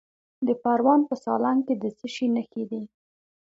د پروان په سالنګ کې د څه شي نښې دي؟